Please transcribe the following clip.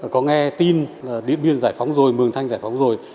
có nghe tin điện biên giải phóng rồi mường thanh giải phóng rồi